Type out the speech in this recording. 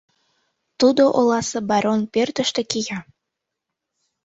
Тудо оласе барон пӧртыштӧ кия.